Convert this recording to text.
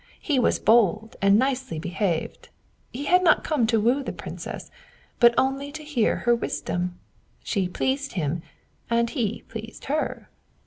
He was bold and nicely behaved; he had not come to woo the Princess, but only to hear her wisdom. She pleased him and he pleased her."